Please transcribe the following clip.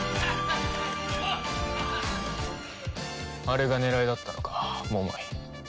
あれが狙いだったのか桃井。